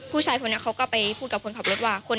ผู้ชายคนนี้เขาก็ไปพูดกับคนขับรถว่า